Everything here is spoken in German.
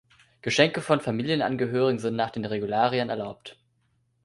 Geschenke von Familienangehörigen sind nach den Regularien erlaubt.